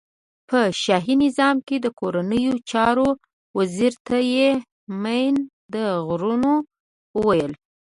په شاهی نظام کی د کورنیو چارو وزیر ته یی مین د غرونو ویل.